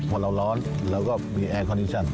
พอเราร้อนเราก็มีแอร์คอนดิชั่น